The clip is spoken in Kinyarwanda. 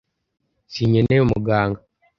sinkeneye umuganga